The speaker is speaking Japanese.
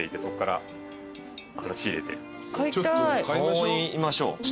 買いましょう。